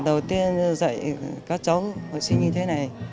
đầu tiên dạy các cháu học sinh như thế này